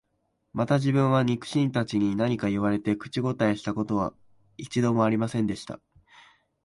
また自分は、肉親たちに何か言われて、口応えした事は一度も有りませんでした